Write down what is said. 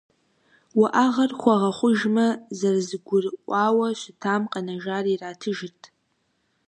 Уӏэгъэр хуэгъэхъужмэ, зэрызэгурыӏуауэ щытам къэнэжар иратыжт.